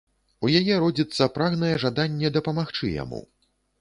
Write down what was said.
У яе родзіцца прагнае жаданне дапамагчы яму.